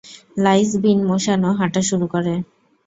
লাঈছ বিন মোশানও হাঁটা শুরু করে।